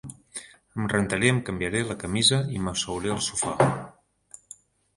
Em rentaré, em canviaré la camisa i m'asseuré al sofà.